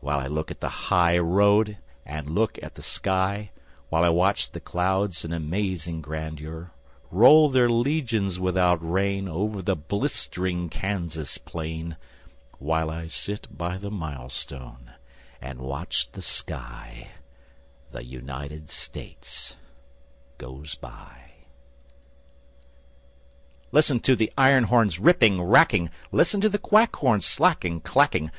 While I watch the highroad And look at the sky, While I watch the clouds in amazing grandeur Roll their legions without rain Over the blistering Kansas plain While I sit by the milestone And watch the sky, The United States Goes by. # To be given very harshly, with a snapping explosiveness. # Listen to the iron horns, ripping, racking. Listen to the quack horns, slack and clacking.